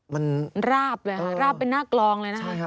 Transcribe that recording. มันราบเลยฮะราบแบนหน้ากลองเลยนะ